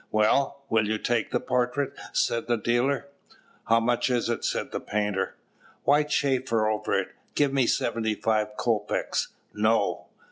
"Well, will you take the portrait?" said the dealer. "How much is it?" said the painter. "Why chaffer over it? give me seventy five kopeks." "No."